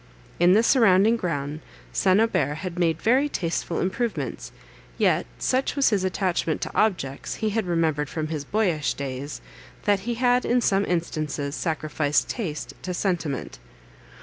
In the surrounding ground, St. Aubert had made very tasteful improvements; yet, such was his attachment to objects he had remembered from his boyish days, that he had in some instances sacrificed taste to sentiment.